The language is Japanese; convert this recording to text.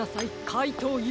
かいとうＵ！